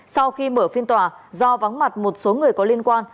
sau khi mở phiên tòa do vắng mặt một số người có liên quan